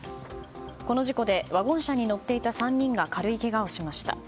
この事故でワゴン車に乗っていた３人が軽いけがをしました。